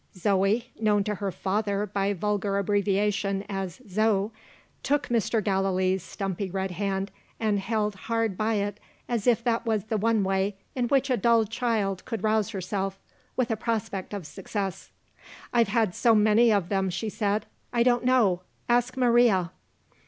Zoe (known to her father, by vulgar abbreviation, as "Zo") took Mr. Gallilee's stumpy red hand, and held hard by it as if that was the one way in which a dull child could rouse herself, with a prospect of success. "I've had so many of them," she said; "I don't know. Ask Maria."